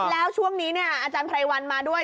แล้วช่วงนี้เนี่ยอาจารย์ไพรวัลมาด้วย